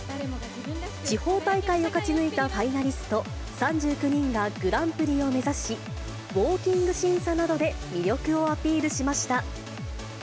地方大会を勝ち抜いたファイナリスト３９人がグランプリを目指し、ウォーキング審査などで魅力をアピールしました。